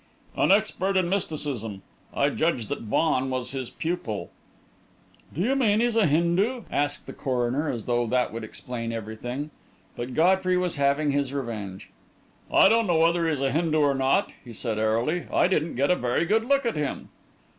"An expert in mysticism. I judge that Vaughan was his pupil." "Do you mean he's a Hindu?" asked the coroner, as though that would explain everything. But Godfrey was having his revenge. "I don't know whether he's a Hindu or not," he said, airily. "I didn't get a very good look at him."